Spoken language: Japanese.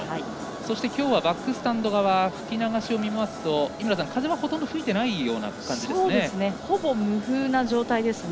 そして今日はバックスタンド側吹き流しを見ると井村さん、風はほとんど吹いていない状況ですね。